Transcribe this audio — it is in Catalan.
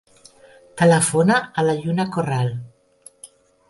Telefona a la Lluna Corral.